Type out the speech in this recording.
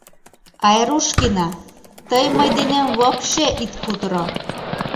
Айрушкина, тый мый денем вообще ит кутыро.